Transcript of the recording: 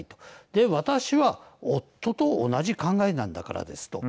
で、私は夫と同じ考えなんだからですと。